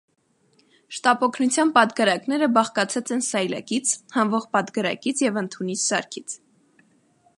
Շտապ օգնություն պատգարակները բաղկացած են սայլակից, հանվող պատգարակից և ընդունիչ սարքից։